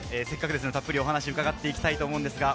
せっかくですので、たっぷりお話を伺っていきたいと思います。